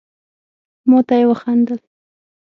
ما ته يي وخندل.